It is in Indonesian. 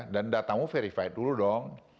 dan datamu verify dulu dong